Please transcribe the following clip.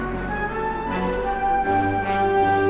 กลับในกลับใส่ที